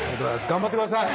頑張ってください。